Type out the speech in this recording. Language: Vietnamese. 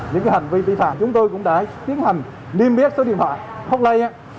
những hành vi bị phạt chúng tôi cũng đã tiến hành liên miết số điện thoại hotline